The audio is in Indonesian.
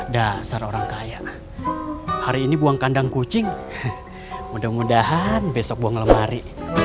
dasar orang kaya hari ini buang kandang kucing mudah mudahan besok buang lemari